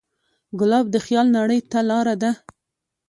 ګلاب د خیال نړۍ ته لاره ده.